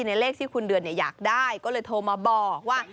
เลขที่คุณเดือนอยากได้ก็เลยโทรมาบอกว่า